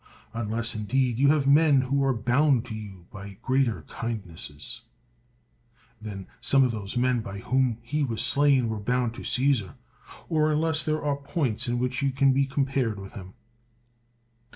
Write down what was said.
Unless, indeed, you have men who are bound to you by greater kindnesses than some of those men by whom he was slain were bound to Caesar ; or un less there are points in which you can be com pared with him.